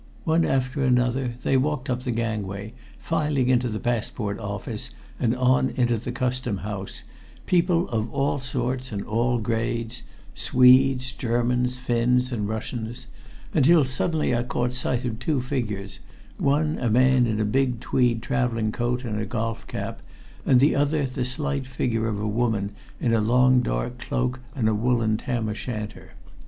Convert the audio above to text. One after another they walked up the gangway, filing into the passport office and on into the Custom House, people of all sorts and all grades Swedes, Germans, Finns, and Russians until suddenly I caught sight of two figures one a man in a big tweed traveling coat and a golf cap, and the other the slight figure of a woman in a long dark cloak and a woolen tam o' shanter.